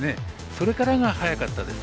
それからが速かったです。